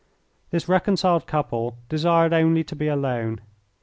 This reconciled couple desired only to be alone.